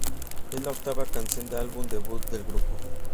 Es la octava canción del álbum debut del grupo.